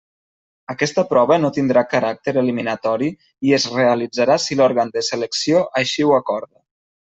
Aquesta prova no tindrà caràcter eliminatori i es realitzarà si l'òrgan de selecció així ho acorda.